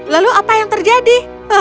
lalu apa yang terjadi